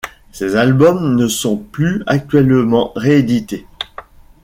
Ces albums ne sont plus actuellement réédités.